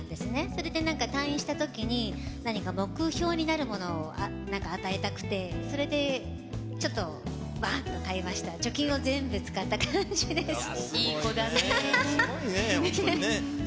それでなんか退院したときに、何か目標になるものをなんか与えたくて、それでちょっとばーんと買いました、貯金を全部使った感じです。